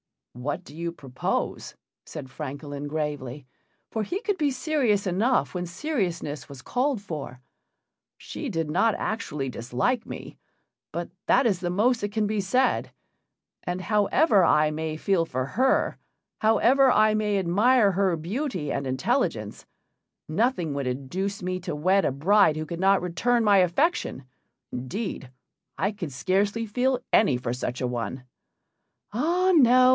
"What do you propose?" said Francolin, gravely, for he could be serious enough when seriousness was called for. "She did not actually dislike me, but that is the most that can be said; and however I may feel for her, however I may admire her beauty and intelligence, nothing would induce me to wed a bride who could not return my affection. Indeed, I could scarcely feel any for such a one." "Ah no!